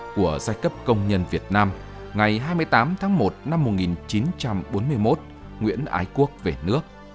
của giai cấp công nhân việt nam ngày hai mươi tám tháng một năm một nghìn chín trăm bốn mươi một nguyễn ái quốc về nước